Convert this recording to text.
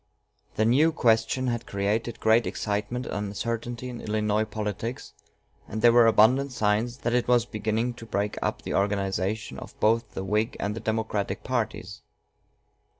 The new question had created great excitement and uncertainty in Illinois politics, and there were abundant signs that it was beginning to break up the organization of both the Whig and the Democratic parties.